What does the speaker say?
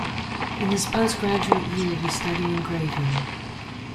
In his postgraduate year he studied engraving.